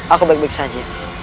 aku baik baik saja